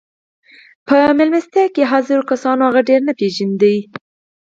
په مېلمستیا کې حاضرو کسانو هغه ډېر نه پېژانده